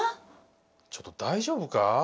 ちょっと大丈夫か？